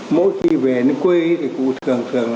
mỗi khi về nước quê thì cụ thường thường